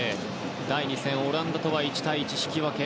第２戦、オランダとは１対１、引き分け。